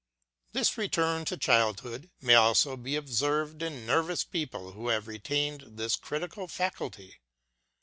This " return to childhood " may also be observed in nervous people who have retained their critical faculty.